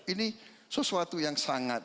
ini sesuatu yang sangat